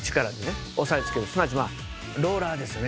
すなわちまあローラーですよね。